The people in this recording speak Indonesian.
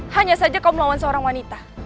hanya saja kau melawan seorang wanita